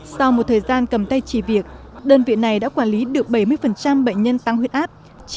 sau một thời gian cầm tay chỉ việc đơn vị này đã quản lý được bảy mươi bệnh nhân tăng huyết áp